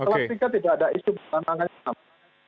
ketika tidak ada isu makanya sama